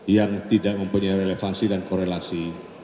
yang tidak mempunyai relevansi dan korelasi